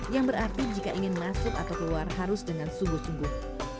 yang berarti jika ingin masuk atau keluar harus dengan sungguh sungguh